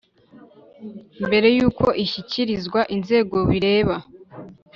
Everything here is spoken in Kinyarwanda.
Mbere y uko ishyikirizwa inzego bireba